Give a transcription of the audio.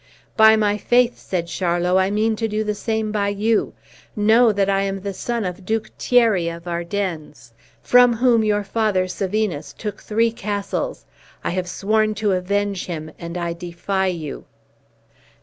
"By my faith," said Charlot, "I mean to do the same by you. Know that I am the son of Duke Thierry of Ardennes, from whom your father, Sevinus, took three castles; I have sworn to avenge him, and I defy you."